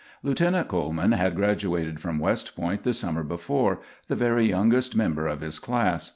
Lieutenant Coleman had graduated from West Point the summer before, the very youngest member of his class.